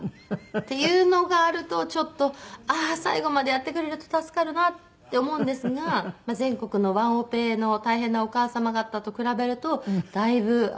っていうのがあるとちょっとああ最後までやってくれると助かるなって思うんですが全国のワンオペの大変なお母様方と比べるとだいぶ。